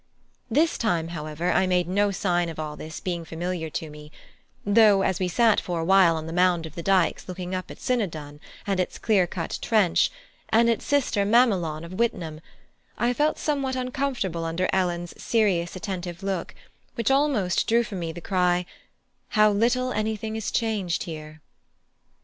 This time, however, I made no sign of all this being familiar to me: though as we sat for a while on the mound of the Dykes looking up at Sinodun and its clear cut trench, and its sister mamelon of Whittenham, I felt somewhat uncomfortable under Ellen's serious attentive look, which almost drew from me the cry, "How little anything is changed here!"